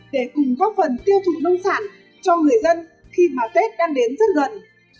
để cùng góp phần tiêu thụ nông sản cho người dân khi mà tết đang đến rất gần